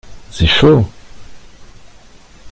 C’est chaud.